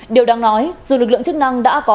điều đáng nói dù lực lượng chức năng đã có